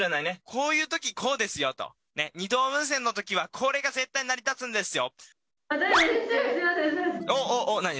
こういうときこうですよと、２とうぶんせんのときはこれが絶対に成り立つんですよ。